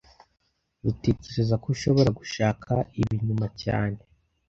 Dutekereza ko ushobora gushaka ibi inyuma cyane